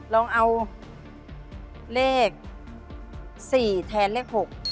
ลองเอาเลข๔แทนเลข๖